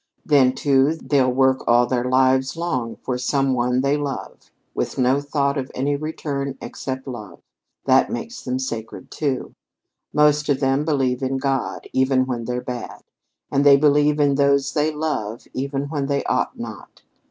Then, too, they'll work all their lives long for some one they love with no thought of any return except love. That makes them sacred, too. Most of them believe in God, even when they're bad, and they believe in those they love even when they ought not.